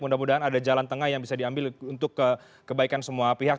mudah mudahan ada jalan tengah yang bisa diambil untuk kebaikan semua pihak